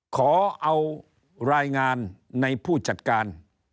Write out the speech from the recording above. ขอเอารายงานในผู้จัดการ